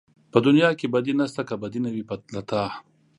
په دنيا کې بدي نشته که بدي نه وي له تا